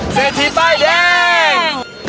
เศรษฐีป้ายแดง